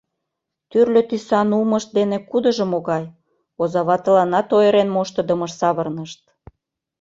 Тӱрлӧ тӱсан улмышт дене кудыжо могай — озаватыланат ойырен моштыдымыш савырнышт.